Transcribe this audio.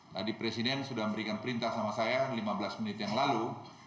tadi presiden sudah memberikan perintah sama saya lima belas menit yang lalu